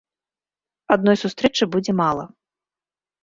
Адной сустрэчы будзе мала.